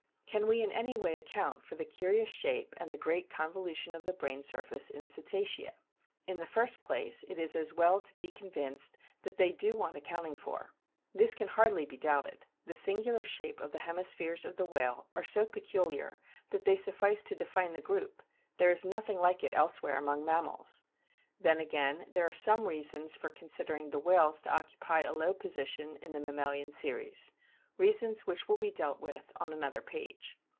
Can we in any way account for the curious shape and the great convolution of the brain surface in Cetacea ? In the first place it is as well to be convinced that they do want accounting for. This can hardly be doubted ; the singular shape of the hemispheres of the whale are so peculiar that they suffice to define the group ; there is nothing like it elsewhere among mammals. Then aram there are o o some reasons for considering the whales to occupy a low position in the mammalian series, reasons which will be dealt with on another page.